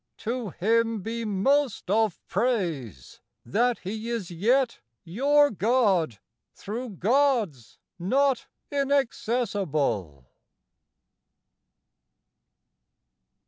To Him be most of praise that He is yet Your God thro' gods not inaccessible.